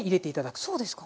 あっそうですか。